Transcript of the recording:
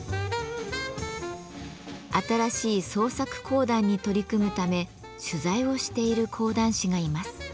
新しい創作講談に取り組むため取材をしている講談師がいます。